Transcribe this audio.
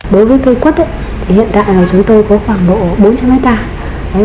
đối với cây quất hiện tại chúng tôi có khoảng độ bốn trăm linh m